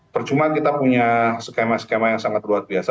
percuma kita punya skema skema yang sangat luar biasa